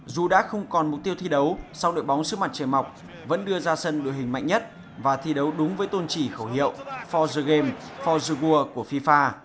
dù đã không còn mục tiêu thi đấu sau đội bóng sứ mặt trời mọc vẫn đưa ra sân đội hình mạnh nhất và thi đấu đúng với tôn trị khẩu hiệu for the game for the world của fifa